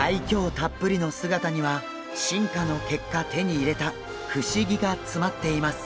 たっぷりの姿には進化の結果手に入れた不思議が詰まっています。